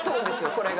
これが。